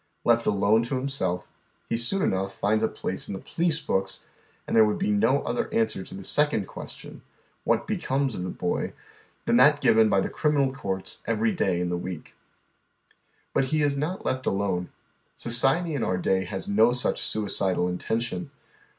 Left alone to himself, he soon enough finds a place in the police books, and there would be no other answer to the second question :" what becomes of the boy ?" than that given by the criminal courts every day in the week; But he is not left alone. Society in our day has no sucli suicidal intention.